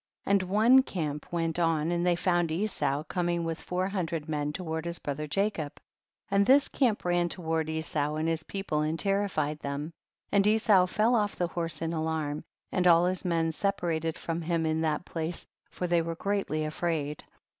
30. And one camp went on and THE BOOK OF JASHER. 93 they found Esau coming with four hundred men toward his brother Ja cob, and this camp ran toward Esau and his people and terrified them, and Esau fell off the horse in alarm, and all his men separated from him in that place, for they were greatly afraid.